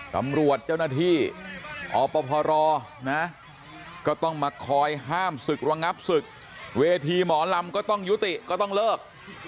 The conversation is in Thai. ตำรวจเจ้าหน้าที่อพรนะก็ต้องมาคอยห้ามศึกระงับศึกเวทีหมอลำก็ต้องยุติก็ต้องเลิก